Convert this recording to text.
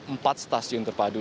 ada empat stasiun terpadu